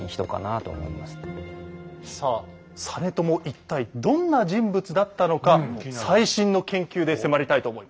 一体どんな人物だったのか最新の研究で迫りたいと思います。